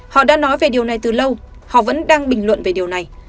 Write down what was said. họ đã nói về điều này từ lâu họ vẫn đang bình luận về điều này